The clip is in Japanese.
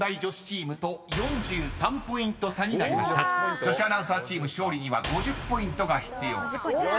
［女子アナウンサーチーム勝利には５０ポイントが必要です］